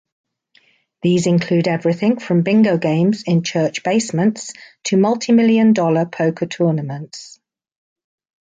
These include everything from bingo games in church basements, to multimillion-dollar poker tournaments.